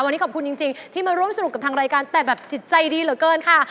วันนี้ขอบคุณจริงที่มาร่วมสนุกกับทางรายการแต่แบบจิตใจดีเหลือเกินค่ะ